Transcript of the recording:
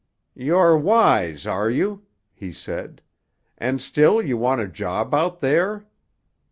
"You're wise, are you?" he said. "And still you want a job out there?